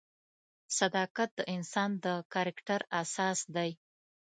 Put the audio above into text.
صداقت د انسان د کرکټر اساس دی.